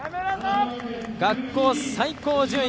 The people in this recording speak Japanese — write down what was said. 学校最高順位。